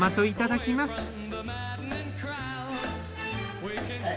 いただきます。